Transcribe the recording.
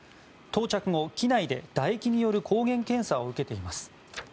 到着後、機内でだ液による抗原検査を受けています。